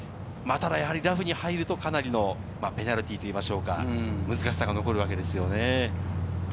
ラフに入るとかなりのペナルティーといいましょうか、難しさが残るわけですよね。